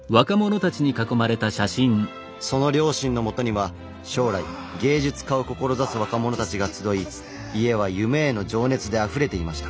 その両親のもとには将来芸術家を志す若者たちが集い家は夢への情熱であふれていました。